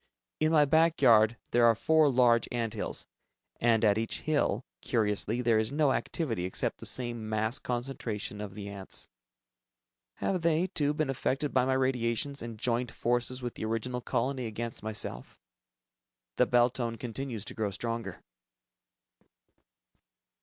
In my back yard, there are four large ant hills, and at each hill, curiously, there is no activity except the same mass concentration of the ants. Have they, too, been affected by my radiations and joined forces with the original colony against myself? The bell tone continues to grow stronger.